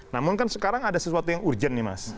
namun kan sekarang ada sesuatu yang urgent nih mas